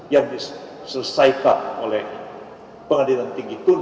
yang diselesaikan oleh pengadilan tinggi pun